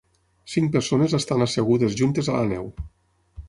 Cinc persones estan assegudes juntes a la neu.